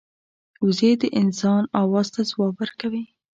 وزې د انسان آواز ته ځواب ورکوي